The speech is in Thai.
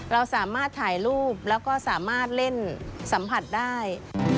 เราสามารถถ่ายรูปแล้วก็สามารถเล่นสัมผัสได้